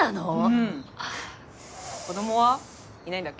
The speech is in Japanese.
うん子どもは？いないんだっけ？